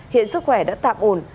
hiện sức khỏe đã tạm ổn